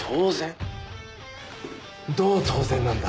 どう当然なんだ？